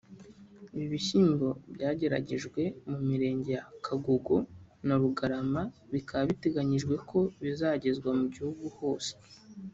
Ibi bishyimbo byageragejwe mu mirenge ya Kagogo na Rugarama bikaba biteganyijwe ko bizagezwa mu gihugu hose